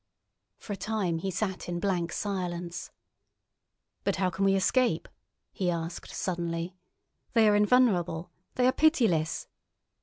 For a time he sat in blank silence. "But how can we escape?" he asked, suddenly. "They are invulnerable, they are pitiless."